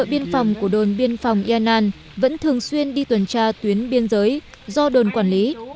bộ đội biên phòng yannan vẫn thường xuyên đi tuần tra tuyến biên giới do đồn quản lý